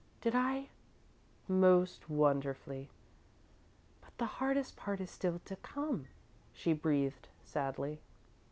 "Did I " "Most wonderfully." "But the hardest part is still to come," she breathed, sadly.